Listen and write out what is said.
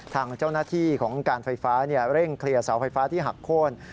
ทางเจ้าหน้าที่ของการไฟฟ้าเร่งเคลียร์เสาไฟฟ้าที่หักโค้น